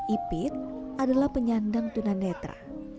ipit adalah penyandang tunanetra